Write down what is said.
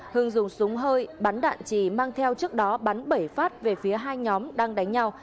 hưng dùng súng hơi bắn đạn trì mang theo trước đó bắn bảy phát về phía hai nhóm đang đánh nhau